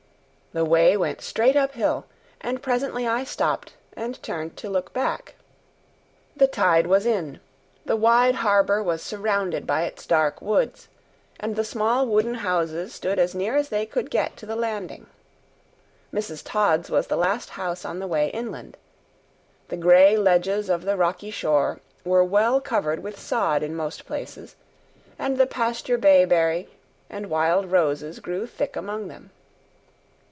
The way went straight uphill, and presently I stopped and turned to look back. The tide was in, the wide harbor was surrounded by its dark woods, and the small wooden houses stood as near as they could get to the landing. Mrs. Todd's was the last house on the way inland. The gray ledges of the rocky shore were well covered with sod in most places, and the pasture bayberry and wild roses grew thick among them.